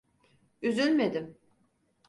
Üzülmedim.